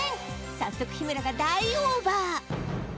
早速日村が大オーバー！